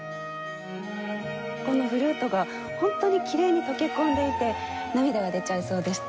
このフルートがホントにきれいに溶け込んでいて涙が出ちゃいそうでした。